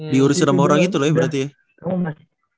diurusin sama orang itu loh ya berarti ya